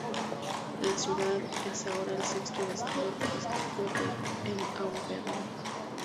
La ciudad es ahora el sexto destino turístico en Auvernia.